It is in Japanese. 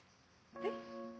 えっ？